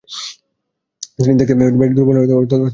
তিনি দেখতে বেশ দূর্বল হয়ে পড়েন ও তাকে খেলানো উচিত না।